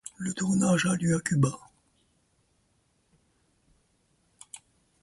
Le tournage a lieu le à Cuba.